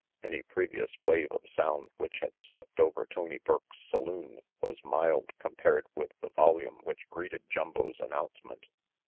Any previous wave of sound which had swept over Tony Burke's saloon was mild compared with the volume which greeted Jumbo's announcement.